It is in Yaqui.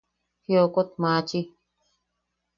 Jiokot machi.